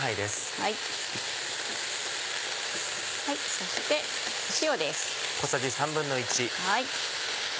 そして塩です。